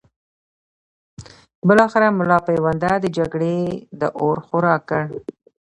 بالاخره ملا پوونده د جګړې د اور خوراک کړ.